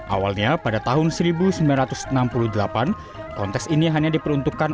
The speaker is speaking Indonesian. awalnya pada tahun seribu sembilan ratus enam puluh delapan kontes ini hanya diperuntukkan